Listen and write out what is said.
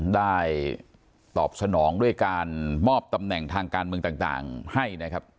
ได้ตอบสนองด้วยการมอบตำแหน่งทางการเมืองต่างให้นะครับ